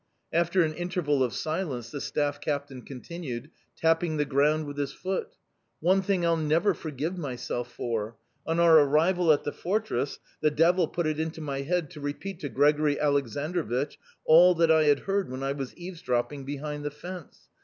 After an interval of silence the staff captain continued, tapping the ground with his foot: "One thing I'll never forgive myself for. On our arrival at the fortress the devil put it into my head to repeat to Grigori Aleksandrovich all that I had heard when I was eavesdropping behind the fence.